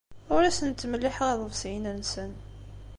Ur asen-ttmelliḥeɣ iḍebsiyen-nsen.